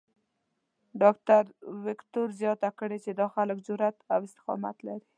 ډاکټر وېکټور زیاته کړې چې دا خلک جرات او استقامت لري.